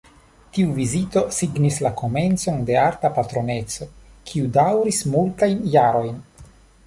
Tiu vizito signis la komencon de arta patroneco, kiu daŭris multajn jarojn.